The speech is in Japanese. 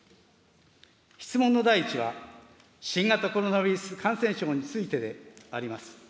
質問の第１は、新型コロナウイルス感染症についてであります。